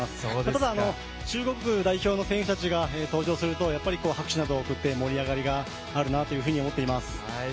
ただ中国代表の選手たちが登場すると拍手など起こって盛り上がりがあるなと思っています。